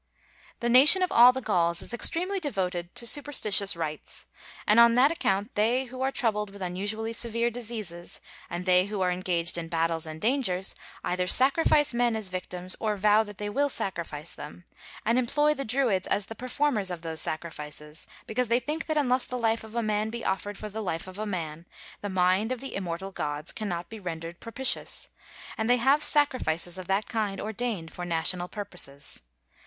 The nation of all the Gauls is extremely devoted to superstitious rites; and on that account they who are troubled with unusually severe diseases, and they who are engaged in battles and dangers, either sacrifice men as victims, or vow that they will sacrifice them, and employ the Druids as the performers of those sacrifices; because they think that unless the life of a man be offered for the life of a man, the mind of the immortal gods cannot be rendered propitious, and they have sacrifices of that kind ordained for national purposes.